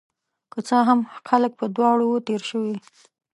که څه هم، خلک په دواړو وو تیر شوي